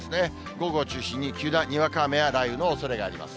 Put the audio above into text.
午後を中心に急なにわか雨や雷雨のおそれがあります。